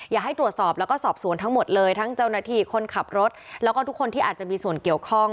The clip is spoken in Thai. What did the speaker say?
อยากให้ตรวจสอบแล้วก็สอบสวนทั้งหมดเลยทั้งเจ้าหน้าที่คนขับรถแล้วก็ทุกคนที่อาจจะมีส่วนเกี่ยวข้อง